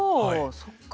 そっか。